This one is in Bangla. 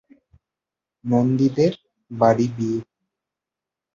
নন্দীদের বাড়ি বিয়ে।